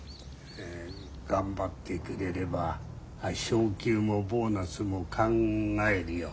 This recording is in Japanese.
頑張ってくれれば昇給もボーナスも考えるよ。